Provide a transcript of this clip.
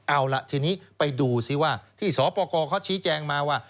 เอาล่ะทีนี้ไปดูสิว่าที่สปกรเขาชี้แจงมาว่า